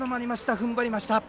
ふんばりました。